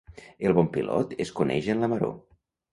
El bon pilot es coneix en la maror.